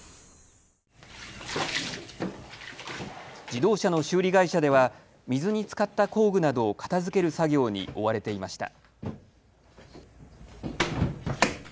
自動車の修理会社では水につかった工具などを片づける作業に追われていました。